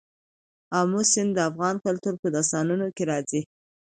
آمو سیند د افغان کلتور په داستانونو کې راځي.